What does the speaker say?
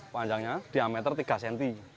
panjangnya diameter tiga cm